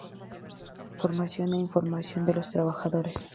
Formación e información de los trabajadores.